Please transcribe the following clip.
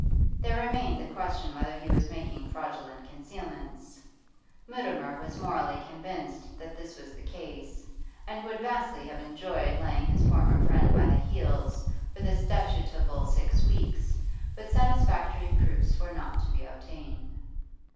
There remained the question whether he was making fraudulent concealments. Mutimer was morally convinced that this was the case, and would vastly have enjoyed laying his former friend by the heels for the statutable six weeks, but satisfactory proofs were not to be obtained.